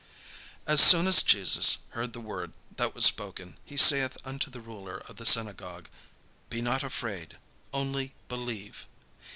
As soon as Jesus heard the word that was spoken, he saith unto the ruler of the synagogue: "Be not afraid, only believe."